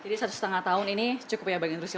jadi satu setengah tahun ini cukup ya bagi anda ruziel